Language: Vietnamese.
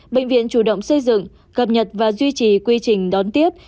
bệnh viện chủ động xây dựng cập nhật và duy trì quy trình đón tiếp